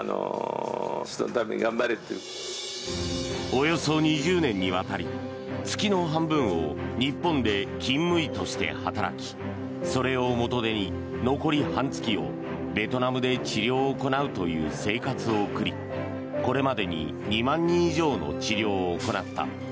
およそ２０年にわたり月の半分を日本で勤務医として働きそれを元手に残り半月をベトナムで治療を行うという生活を送りこれまでに２万人以上の治療を行った。